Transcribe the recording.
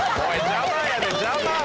邪魔やねん邪魔！